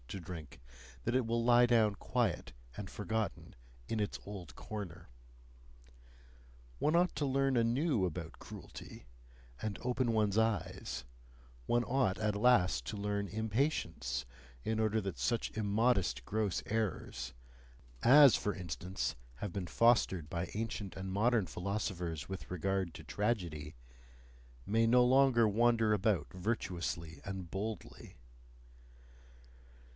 ] to drink, that it will lie down quiet and forgotten, in its old corner. One ought to learn anew about cruelty, and open one's eyes; one ought at last to learn impatience, in order that such immodest gross errors as, for instance, have been fostered by ancient and modern philosophers with regard to tragedy may no longer wander about virtuously and boldly.